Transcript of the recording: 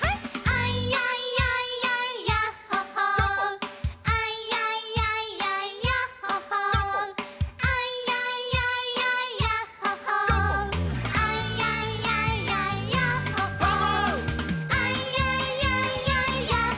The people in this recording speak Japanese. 「アイヤイヤイヤイヤッホ・ホー」「アイヤイヤイヤイヤッホ・ホー」「アイヤイヤイヤイヤッホ・ホー」「アイヤイヤイヤイヤッホ・ホー」